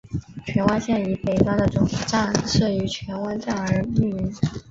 荃湾线以北端的总站设于荃湾站而命名。